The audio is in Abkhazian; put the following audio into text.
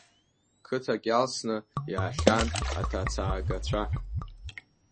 Қыҭак иалсны иаахьан аҭацаагацәа.